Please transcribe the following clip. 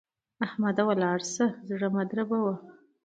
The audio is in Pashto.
احمده! ولاړ شه؛ زړه مه دربوه.